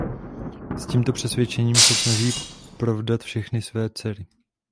S tímto přesvědčení se snaží provdat všechny své dcery.